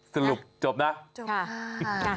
สรุปจบนะจบค่ะ